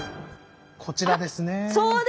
こちらですね。